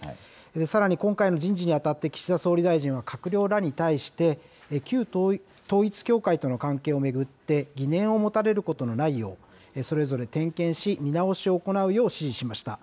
さらに今回の人事にあたって岸田総理大臣は、閣僚らに対して、旧統一教会との関係を巡って疑念を持たれることのないよう、それぞれ点検し、見直しを行うよう指示しました。